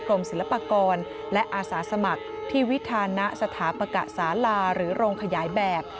ศิลปากรและอาสาสมัครที่วิทานะสถาปกะสาลาหรือโรงขยายแบบ